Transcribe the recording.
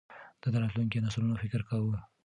ده د راتلونکو نسلونو فکر کاوه.